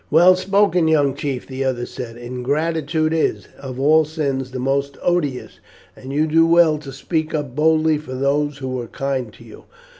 "Well spoken, young chief!" the other said; "ingratitude is, of all sins, the most odious, and you do well to speak up boldly for those who were kind to you.